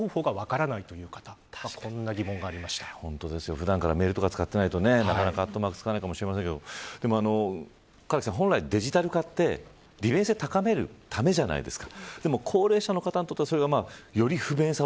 普段からメールとか使っていないと、なかなかアットマーク使わないかもしれませんが唐木さん本来デジタル化って利便性を高めるためじゃないですか。